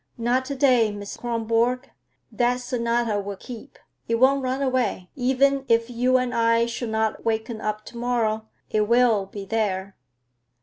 "Not to day, Miss Kronborg. That sonata will keep; it won't run away. Even if you and I should not waken up to morrow, it will be there."